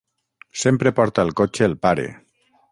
Sempre porta el cotxe el pare...